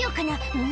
うん」